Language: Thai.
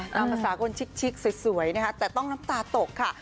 ตามภาษาคนชิกสวยนะคะแต่ต้องน้ำตาตกค่ะ